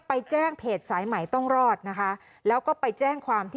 ไปแจ้งเพจสายใหม่ต้องรอดนะคะแล้วก็ไปแจ้งความที่